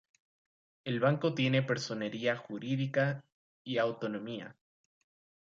El banco tiene personería jurídica y autonomía.